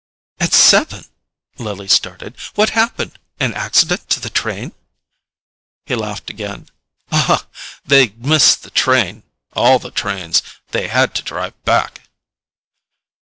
"At seven?" Lily started. "What happened—an accident to the train?" He laughed again. "They missed the train—all the trains—they had to drive back."